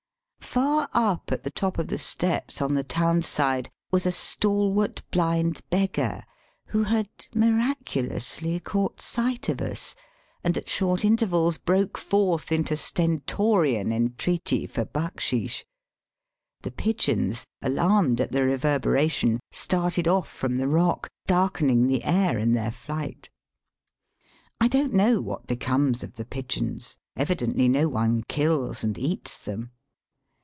Far up at the top of the steps on the town side was a stalwart blind beggar, who had miraculously caught sight of us, and at short intervals broke forth into sten Digitized by VjOOQIC mtmmi^^ OUT OF THE HURLY BUELY. 327 toriau entreaty for backsheesh. The pigeons, alarmed at the reverberation, started off from the rock, darkening the air in their flight. I don't know what becomes of the pigeons ; evidently no one kills and eats them.